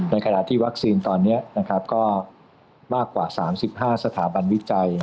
ในขณะที่วัคซีนตอนนี้ก็มากกว่า๓๕สถาบันวิจัย